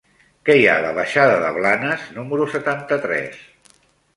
Què hi ha a la baixada de Blanes número setanta-tres?